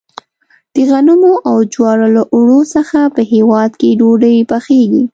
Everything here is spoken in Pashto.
د غنمو او جوارو له اوړو څخه په هیواد کې ډوډۍ پخیږي.